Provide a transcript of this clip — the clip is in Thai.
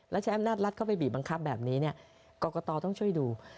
แล้วใช้อำนาจรัฐเข้าไปบีบบังคับแบบนี้กรกตต้องช่วยดู